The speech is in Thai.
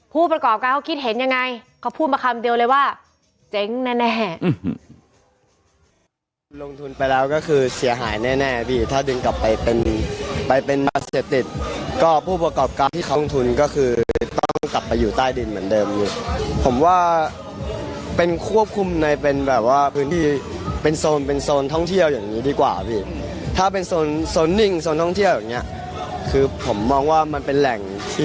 ผู้ประกอบการเขาคิดเห็นยังไงเขาพูดมาคำเดียวเลยว่าเจ๊งแน่